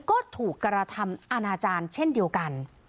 ก็ถูกกระทำอาณาจารย์เช่นเดียวกัน